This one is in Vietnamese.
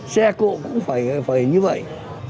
xe cộ cũng phải như vậy